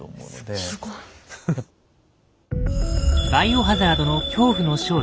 すごい！「バイオハザード」の恐怖の正体。